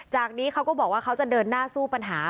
นี้เขาก็บอกว่าเขาจะเดินหน้าสู้ปัญหา